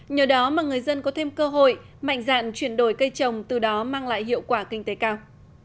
nhờ đó mà người dân có thêm cơ hội mạnh dạn chuyển đổi cây trồng từ đó mang lại hiệu quả kinh tế cao